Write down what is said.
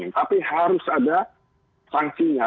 tapi harus ada sanksinya